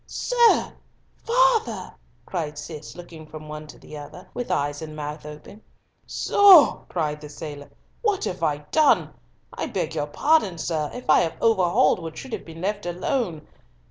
"Sir! Father!" cried Cis, looking from one to the other, with eyes and mouth wide open. "Soh!" cried the sailor, "what have I done? I beg your pardon, sir, if I have overhauled what should have been let alone.